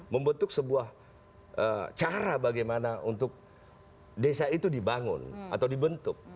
membentuk sebuah cara bagaimana untuk desa itu dibangun atau dibentuk